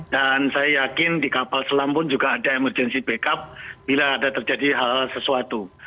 dan saya yakin di kapal selam pun juga ada emergency backup bila ada terjadi hal hal sesuatu